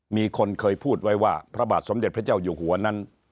มีคนเคยพูดไว้ว่าพระบาทสมเด็จพระเจ้าอยู่หัวนั้น